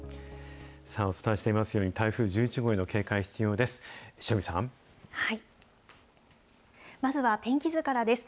お伝えしていますように、台風１１号への警戒、必要です。